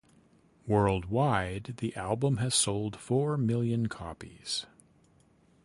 Worldwide, the album has sold four million copies.